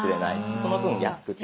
その分安く提供。